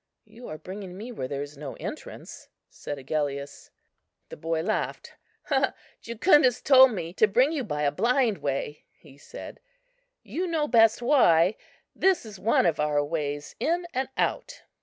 "You are bringing me where there is no entrance," said Agellius. The boy laughed. "Jucundus told me to bring you by a blind way," he said. "You know best why. This is one of our ways in and out."